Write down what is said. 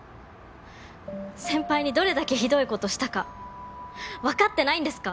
先輩にどれだけひどいことしたか分かってないんですか？